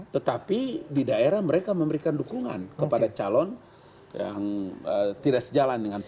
tetapi di daerah mereka memberikan dukungan kepada calon yang tidak sejalan dengan pdi